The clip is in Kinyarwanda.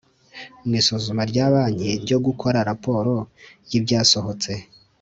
Mu isuzuma rya banki ryo gukora raporo yibyasohotse